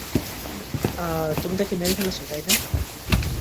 তাকে তুমি মেরে ফেলেছো, তাই না?